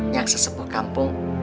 yang sesepuh kampung